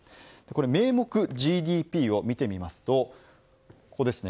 名目、ＧＤＰを見てみますとここですね。